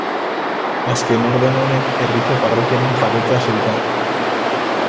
Azken ordena honek herriko parrokiaren jabetza zeukan.